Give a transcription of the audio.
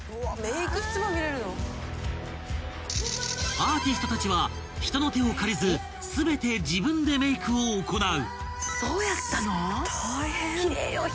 ［アーティストたちは人の手を借りず全て自分でメイクを行う］